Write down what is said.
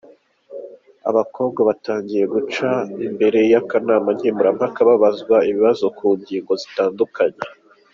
Abakobwa batangiye guca imbere y’akanama nkemurampaka babazwa ibibazo ku ngingo zitandukanye.